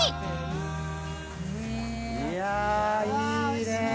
いやいいね。